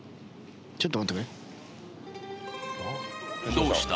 どうした？